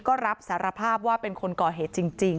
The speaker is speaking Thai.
ก็รับสารภาพว่าเป็นคนก่อเหตุจริง